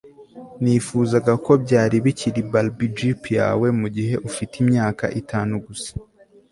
nifuzaga ko byari bikiri barbie jeep yawe mugihe ufite imyaka itanu gusa